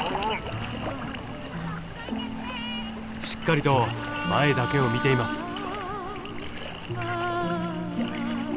しっかりと前だけを見ています。